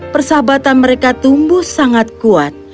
persahabatan mereka tumbuh sangat kuat